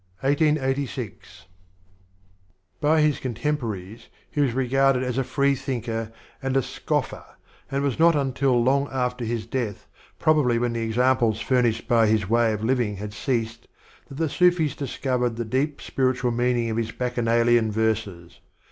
] By his contempo raries he was regarded as a Freethinker and a Scof fer, and it was not until long after his death, prob ably when the examples furnished by his w&y of living had ceased, that the Siitis discovered the deep spiritual meaning of his Bacchanalian verses.